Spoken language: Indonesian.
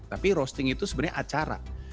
tapi roasting itu sebenarnya acara